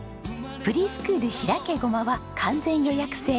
フリースクールひらけごま！は完全予約制。